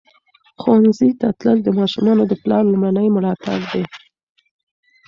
ښوونځي ته تلل د ماشومانو د پلار لومړنی ملاتړ دی.